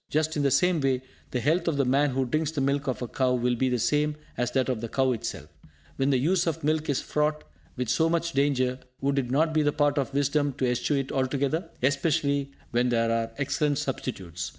Just in the same way, the health of the man who drinks the milk of a cow will be the same as that of the cow itself. When the use of milk is fraught with so much danger, would it not be the part of wisdom to eschew it altogether, especially when there are excellent substitutes?